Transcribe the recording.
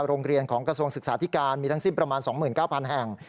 โรงเรียนของกระทรวงศึกษาธิการมีทั้งสิ้นประมาณ๒๙๐๐แห่ง